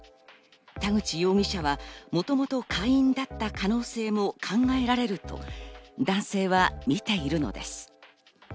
田口容疑者はもともと会員だった可能性も考えられると、男性は見ているのです。